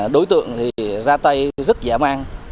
đối tượng thì ra tay rất dã man